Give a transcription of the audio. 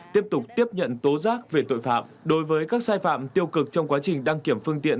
tiếp tục tiếp nhận tố giác về tội phạm đối với các sai phạm tiêu cực trong quá trình đăng kiểm phương tiện